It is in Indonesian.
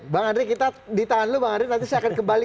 bang andri kita ditahan dulu nanti saya akan kembali